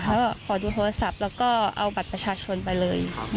ขอดูโทรศัพท์แล้วก็เอาบัตรประชาชนไปเลย